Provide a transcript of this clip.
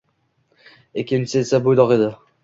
Ikkinchisi esa buydoq edi